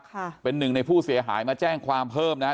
ค่ะเป็นหนึ่งในผู้เสียหายมาแจ้งความเพิ่มนะฮะ